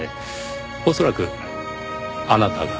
恐らくあなたが。